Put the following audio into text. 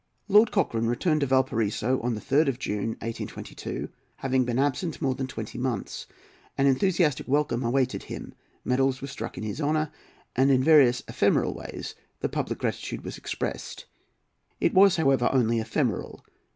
] Lord Cochrane returned to Valparaiso on the 3rd of June, 1822, having been absent more than twenty months. An enthusiastic welcome awaited him. Medals were struck in his honour, and in various ephemeral ways the public gratitude was expressed. It was, however, only ephemeral.